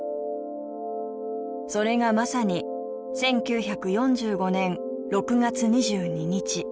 それがまさに１９４５年６月２２日。